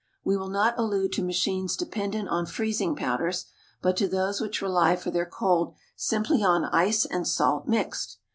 We will not allude to machines dependent on freezing powders, but to those which rely for their cold simply on ice and salt mixed.